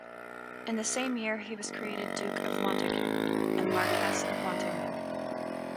In the same year he was created Duke of Montagu and Marquess of Monthermer.